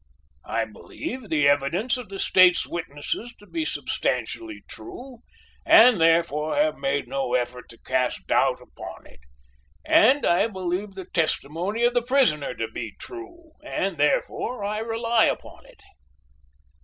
"I believe the evidence of the State's witnesses to be substantially true and therefore have made no effort to cast doubt upon it, and I believe the testimony of the prisoner to be true, and, therefore, I rely upon it."